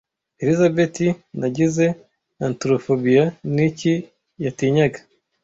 Elizabeth Nagize antrophobiya niki yatinyaga